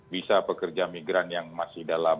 bisa pekerja migran yang masih dalam